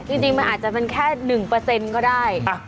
จริงมันอาจจะเป็นแค่หนึ่งเปอร์เซ็นต์ก็ได้